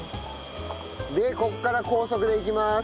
でここから高速でいきます。